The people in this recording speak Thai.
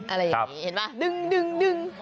อะไรอย่างนี้เห็นป่ะดึง